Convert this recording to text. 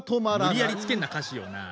無理やりつけんな歌詞をなあ。